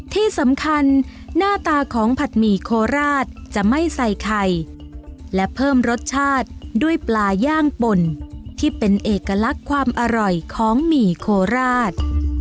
ที่สำคัญหน้าตาของผัดหมี่โคราชจะไม่ใส่ไข่และเพิ่มรสชาติด้วยปลาย่างป่นที่เป็นเอกลักษณ์ความอร่อยของหมี่โคราช